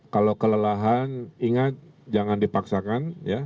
kalau kelelahan ingat jangan dipaksakan